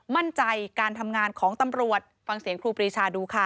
มั่นใจการทำงานของตำรวจ